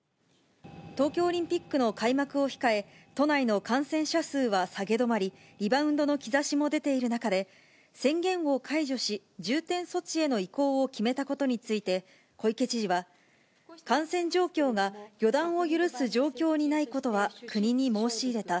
東京オリンピックの開幕を控え、都内の感染者数は下げ止まり、リバウンドの兆しも出ている中で、宣言を解除し、重点措置への移行を決めたことについて、小池知事は、感染状況が予断を許す状況にないことは国に申し入れた。